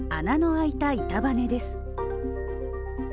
開いた板バネです